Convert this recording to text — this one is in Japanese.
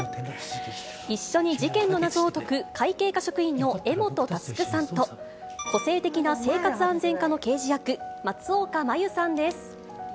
一緒に事件の謎を解く会計課職員の柄本佑さんと、個性的な生活安全課の刑事役、松岡茉優さんです。